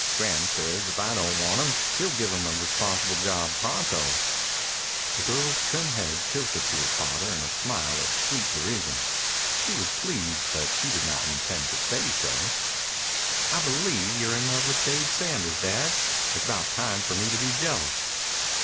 Graham says if I don't want him he'll give him a responsible job pronto." The girl's trim head tilted at her father in a smile of sweet derision. She was pleased, but she did not intend to say so. "I believe you're in love with Dave Sanders, Dad. It's about time for me to be jealous."